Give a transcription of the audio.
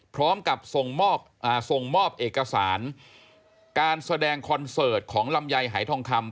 พร้อมกับส่งมอบเอกสารการแสดงคอนเสิร์ตของลำไยหายทองคำ